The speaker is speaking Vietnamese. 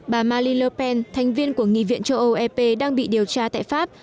bà marine le pen thành viên của nghị viện châu âu ep đang bị điều tra tại pháp